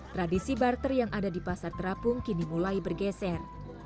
tradisi barter yang ada di pasar terapung kini mulai bergeser